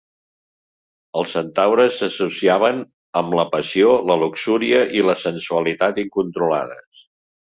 Els centaures s'associaven amb la passió, la luxúria i la sensualitat incontrolades.